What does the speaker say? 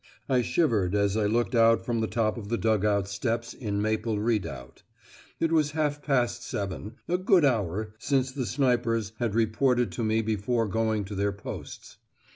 I shivered as I looked out from the top of the dug out steps in Maple Redoubt. It was half past seven, a good hour since the snipers had reported to me before going to their posts.